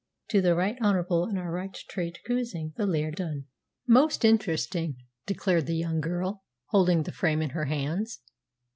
"To the rycht honourable and our rycht traist cousing the lard of Dvn." "Most interesting!" declared the young girl, holding the frame in her hands.